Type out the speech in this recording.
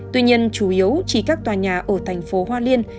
tuy nhiên chủ yếu chỉ các tòa nhà ở thành phố hoa liên